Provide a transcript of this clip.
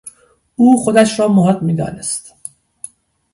او خودش را محق میدانست